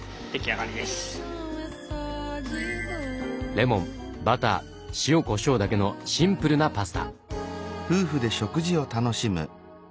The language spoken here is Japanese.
レモンバター塩こしょうだけのシンプルなパスタ。